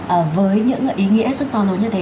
vâng với những ý nghĩa rất to lớn như thế